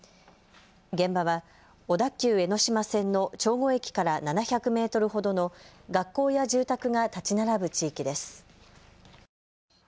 現場は小田急江ノ島線の長後駅から７００メートルほどの学校や住宅が建ち並ぶ地域です。